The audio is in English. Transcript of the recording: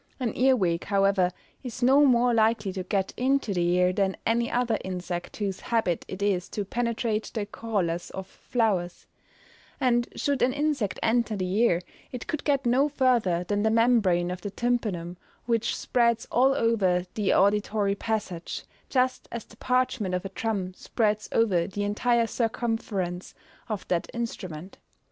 An earwig, however, is no more likely to get into the ear than any other insect whose habit it is to penetrate the corollas of flowers; and should an insect enter the ear, it could get no further than the membrane of the tympanum, which spreads all over the auditory passage, just as the parchment of a drum spreads over the entire circumference of that instrument.